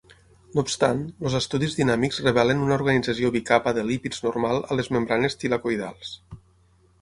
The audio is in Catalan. No obstant, els estudis dinàmics revelen una organització bicapa de lípids normal a les membranes tilacoidals.